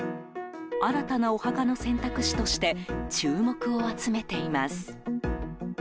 新たなお墓の選択肢として注目を集めています。